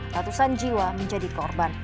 ratusan jiwa menjadi korban